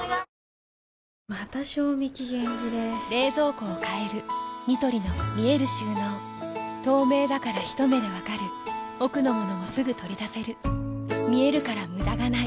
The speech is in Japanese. また賞味期限切れ冷蔵庫を変えるニトリの見える収納透明だからひと目で分かる奥の物もすぐ取り出せる見えるから無駄がないよし。